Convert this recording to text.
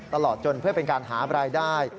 ตลอดจนเพื่อเป็นการหาบรายได้